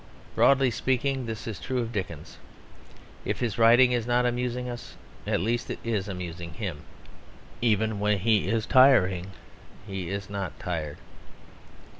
Broadly speaking, this is true of Dickens. If his writing is not amusing us, at least it is amusing him. Even when he is tiring he is not tired.